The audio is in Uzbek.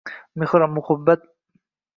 mehr-muhabbat bilan izohlaydilar.